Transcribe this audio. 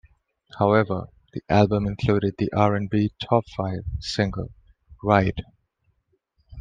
However, the album included the R and B top-five single "Ride".